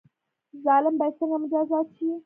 ظالم باید څنګه مجازات شي؟